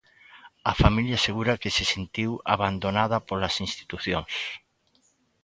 A familia asegura que se sentiu abandonada polas institucións.